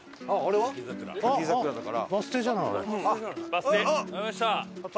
バス停ありました。